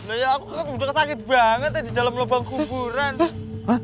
aku kan udah sakit banget di dalam lobang kuburan